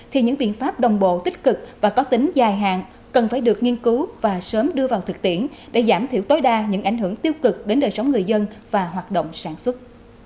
thì những biện pháp đồng bộ tích cực và có tính dài hạn cần phải được nghiên cứu và sớm đưa vào thực tiễn để giảm thiểu tối đa những ảnh hưởng tiêu cực đến đời sống người dân và hoạt động sản xuất